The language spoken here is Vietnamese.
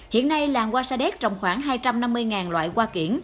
hiện nay làng hoa sa đéc trồng khoảng hai trăm năm mươi loại hoa kiển